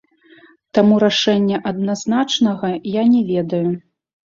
Таму рашэння адназначнага я не ведаю.